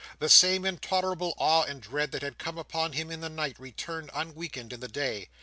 The same intolerable awe and dread that had come upon him in the night, returned unweakened in the day.